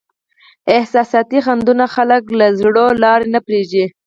احساساتي خنډونه خلک له زړو لارو نه پرېږدي.